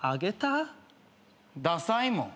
ダサいもん。